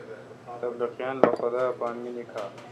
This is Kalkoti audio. تبلیغیان لو خدا اے پان مے°نیکا۔